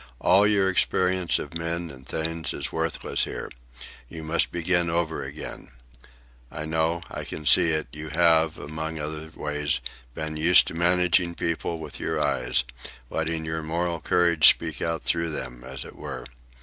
"All your experience of men and things is worthless here. You must begin over again. I know,—I can see it—you have, among other ways, been used to managing people with your eyes, letting your moral courage speak out through them, as it were.